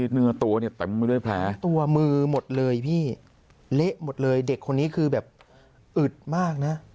เนื้อตัวมือหมดเลยพี่เละหมดเลยเด็กคนนี้คือแบบอึดมากนะ